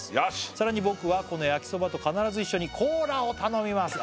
「さらに僕はこのやきそばと必ず一緒にコーラを頼みます」